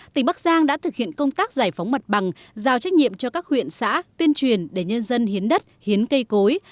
tỉnh bắc giang đã thực hiện công tác giải phóng mặt bằng giao trách nhiệm cho các huyện xã tuyên truyền để nhân dân hiến đất hiến cây cối